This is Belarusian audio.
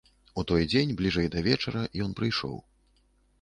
У той дзень, бліжэй да вечара, ён прыйшоў.